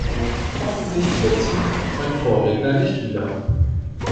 Hoffentlich überzieht mein Vorredner nicht wieder.